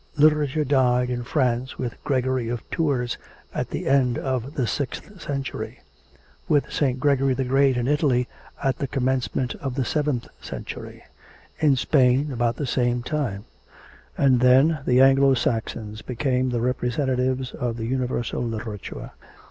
Literature died in France with Gregory of Tours at the end of the sixth century; with St. Gregory the Great, in Italy, at the commencement of the seventh century; in Spain about the same time. And then the Anglo Saxons became the representatives of the universal literature.